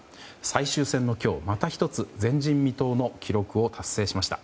最終戦の今日、また１つ前人未到の記録を達成しました。